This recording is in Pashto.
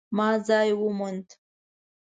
ما ځای وموند